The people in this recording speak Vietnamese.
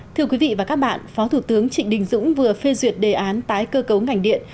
thưa quý vị và các bạn phó thủ tướng trịnh đình dũng vừa phê duyệt đề án tái cơ cấu ngành điện